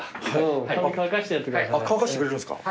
乾かしてくれるんですか。